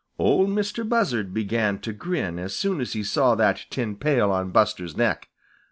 Ol' Mistah Buzzard began to grin as soon as he saw that tin pail on Buster's neck.